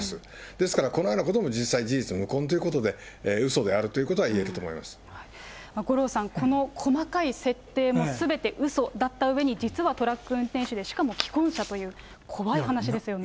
ですからこのようなことも実際、事実無根ということで、うそであ五郎さん、この細かい設定も、すべてうそだったうえに、実はトラック運転手でしかも既婚者という、怖い話ですよね。